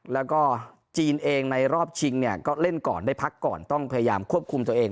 แล้วก็จีนเองในรอบชิงเนี่ยก็เล่นก่อนได้พักก่อนต้องพยายามควบคุมตัวเอง